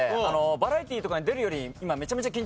バラエティーとかに出るより今めちゃめちゃ緊張してます。